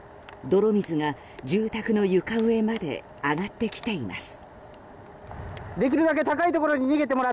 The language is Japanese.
泥水が住宅の床上まで上がってきています。